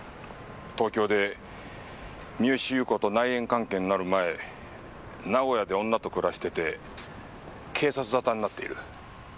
東京で三好裕子と内縁関係になる前名古屋で女と暮らしてて警察沙汰になっている。